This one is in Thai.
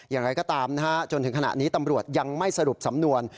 อย่างไรก็ตามนะฮะจนถึงขณะนี้ตำรวจยังไม่สรุปสำนวน